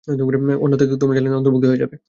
অন্যথায় তোমরা জালিমদের অন্তর্ভুক্ত হয়ে যাবে।